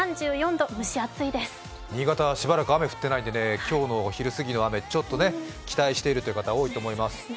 新潟はしばらく雨が降ってないので今日のお昼過ぎの雨ちょっと期待しているという人が多いと思います。